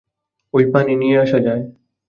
ঐ পানি নিয়ে আসা যায়।